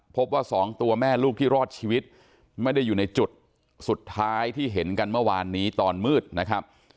พบว่าสองตัวแม่ลูกที่รอดชีวิตไม่ได้อยู่ในจุดสุดท้ายที่เห็นกันเมื่อวานนี้ตอนมืดนะครับ